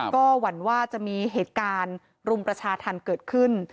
ก็หวั่นว่าจะมีเหตุการณ์รุมประชาธรรมเกิดขึ้น